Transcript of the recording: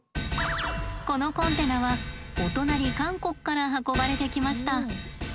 このコンテナはお隣韓国から運ばれてきました。